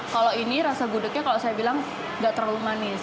kalau ini rasa gudegnya kalau saya bilang nggak terlalu manis